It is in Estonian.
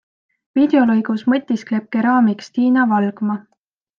Videolõigus mõtiskleb keraamik Stina Valgma.